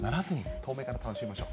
遠目から楽しみましょう。